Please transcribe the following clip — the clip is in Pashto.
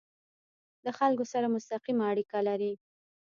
له خلکو سره مستقیمه اړیکه لري.